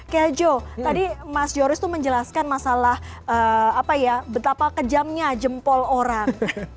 keljo tadi mas yoris tuh menjelaskan masalah apa ya betapa kejamnya jempol orang